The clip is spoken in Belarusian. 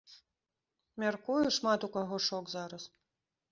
Мяркую, шмат у каго шок зараз.